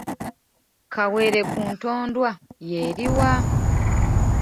Kawere ku ntondwa ye eluwa?